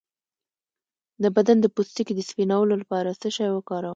د بدن د پوستکي د سپینولو لپاره څه شی وکاروم؟